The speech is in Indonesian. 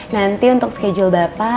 nanti untuk schedule bapak